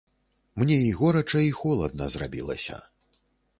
Мне і горача, і холадна зрабілася.